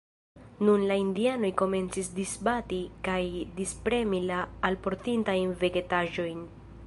Nun la indianoj komencis disbati kaj dispremi la alportitajn vegetaĵojn.